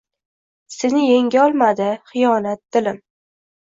Seni yengolmadi xiyonat, dilim.